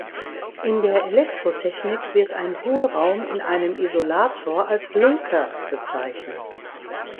In der Elektrotechnik wird ein Hohlraum in einem Isolator als Lunker bezeichnet.